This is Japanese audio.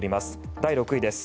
第６位です。